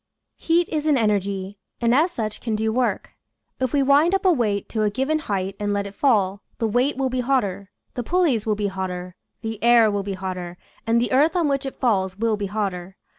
Heat is an energy, and as such can do work. If we wind up a weight to a given height and let it fall, the weight will be hotter, the pulleys will be hotter, the air will be hotter, and the earth on which it falls will be hotter.